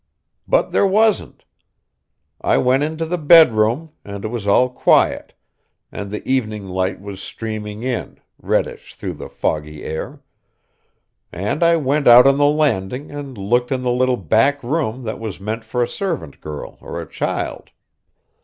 But there wasn't. I went into the bedroom, and it was all quiet, and the evening light was streaming in, reddish through the foggy air; and I went out on the landing and looked in the little back room that was meant for a servant girl or a child.